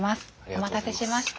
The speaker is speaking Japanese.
お待たせしました。